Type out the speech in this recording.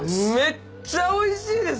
めっちゃおいしいですね。